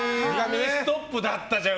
ミニストップだったじゃん！